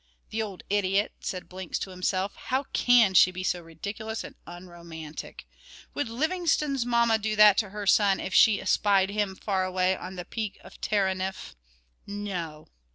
"The old idiot," said Blinks to himself, "how can she be so ridiculous and unromantic? Would Livingstone's mamma do that to her son, if she espied him far away on the Peak of Teneriffe? No!"